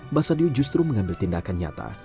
mbah sadio justru mengambil tindakan nyata